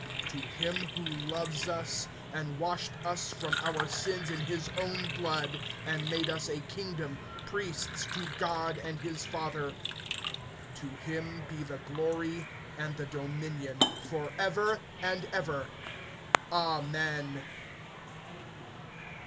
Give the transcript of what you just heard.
To him who loves us, and washed us from our sins in his own blood, (6)and made us a kingdom, priests to God and his Father, to him be the glory, and the dominion, forever and ever. Amen.